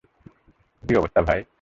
কী অবস্থা, ভাই?